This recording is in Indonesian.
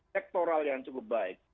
sektoral yang cukup baik